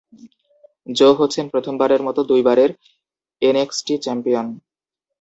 জো হচ্ছেন প্রথম বারের মতো দুই বারের এনএক্সটি চ্যাম্পিয়ন।